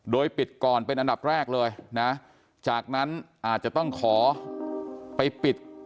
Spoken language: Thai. โดยปิดก่อนเป็นอันดับแรกเลยนะจากนั้นอาจจะต้องขอไปปิด